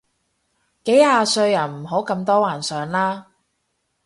幾廿歲人唔好咁多幻想啦